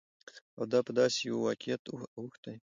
او دا په داسې يوه واقعيت اوښتى،